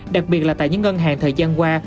đặc biệt là tại những ngân hàng thời gian qua